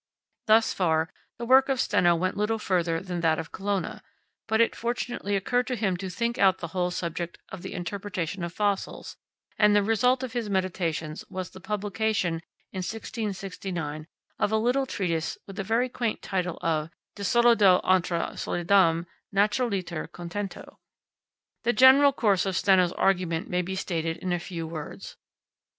Thus far, the work of Steno went little further than that of Colonna, but it fortunately occurred to him to think out the whole subject of the interpretation of fossils, and the result of his meditations was the publication, in 1669, of a little treatise with the very quaint title of "De Solido intra Solidum naturaliter contento." The general course of Steno's argument may be stated in a few words.